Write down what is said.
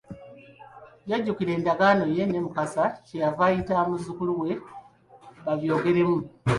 Yajjukira endagaano ye ne Mukasa kye yava ayita muzzukulu we babyogeremu.